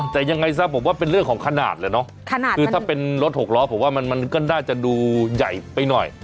แต่ยังไงซะผมว่าเป็นเรื่องของขนาดเลยเนาะคือถ้าเป็นรถหกล้อผมว่ามันก็น่าจะดูใหญ่ไปหน่อย